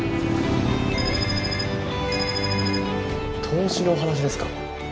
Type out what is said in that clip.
投資のお話ですか？